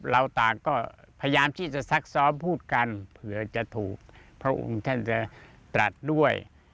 เราต่างก็พยายามที่จะซักซ้อมพูดกันเผื่อจะถูกพระองค์ท่านจะตรัสด้วย